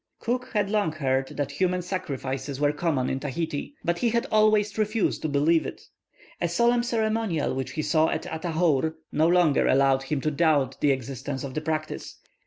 Cook had long heard that human sacrifices were common in Tahiti, but he had always refused to believe it. A solemn ceremonial which he saw at Atahour, no longer allowed him to doubt the existence of the practice.